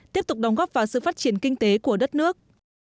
tiếp tục đóng góp vào sự phát triển kinh tế của đất nước